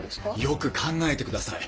よく考えてください。